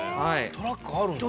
トラックあるんだ。